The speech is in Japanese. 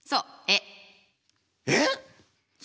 えっ！？